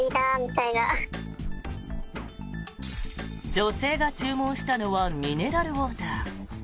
女性が注文したのはミネラルウォーター。